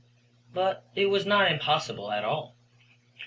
But it was not impossible at all.